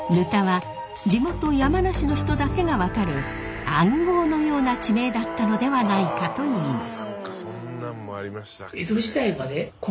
垈は地元山梨の人だけが分かる暗号のような地名だったのではないかといいます。